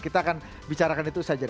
kita akan bicarakan itu saja